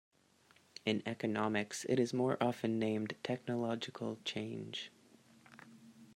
In economics it is more often named "technological change".